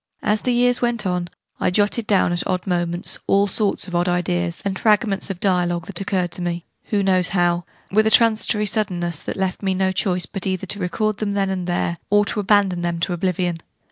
As the years went on, I jotted down, at odd moments, all sorts of odd ideas, and fragments of dialogue, that occurred to me who knows how? with a transitory suddenness that left me no choice but either to record them then and there, or to abandon them to oblivion.